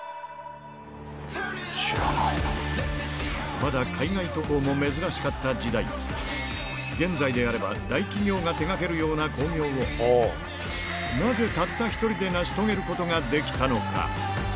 まだ海外渡航も珍しかった時代、現在であれば大企業が手がけるような興行を、なぜたった一人で成し遂げることができたのか。